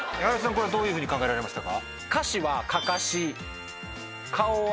これどういうふうに考えられましたか？